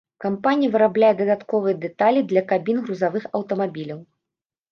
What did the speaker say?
Кампанія вырабляе дадатковыя дэталі для кабін грузавых аўтамабіляў.